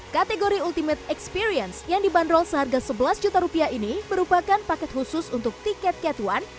kategori ultimate experience yang dibanderol seharga sebelas juta rupiah ini merupakan paket khusus untuk tiket cat one